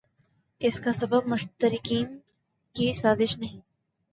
اس کا سبب مشترقین کی سازش نہیں